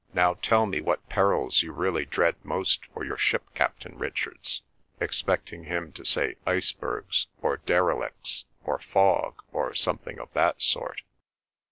—'Now tell me what perils you really dread most for your ship, Captain Richards?' expecting him to say icebergs, or derelicts, or fog, or something of that sort.